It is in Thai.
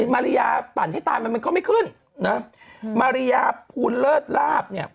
มาริยาปั่นให้ตายมันมันก็ไม่ขึ้นนะมาริยาภูลเลิศลาบเนี่ย